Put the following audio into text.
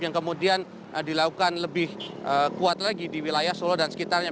yang kemudian dilakukan lebih kuat lagi di wilayah solo dan sekitarnya